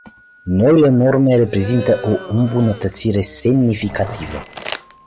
Noile norme reprezintă o îmbunătățire semnificativă.